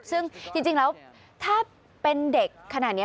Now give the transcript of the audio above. ซึ่งจริงแล้วถ้าเป็นเด็กขนาดนี้